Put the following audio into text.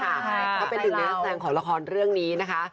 เขาเป็นหนึ่งในนักแสดงของละครเรื่องนี้นะคะ